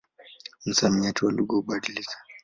Msamiati wa lugha hubadilika.